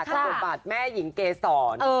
ก็เป็นบาทแม่หญิงเกษร